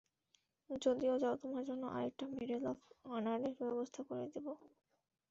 যদি চাও, তোমার জন্য আরেকটা মেডেল অফ অনারের ব্যবস্থা করে দিবো।